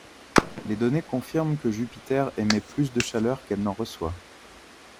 Les données confirment que Jupiter émet plus de chaleur qu'elle n'en reçoit.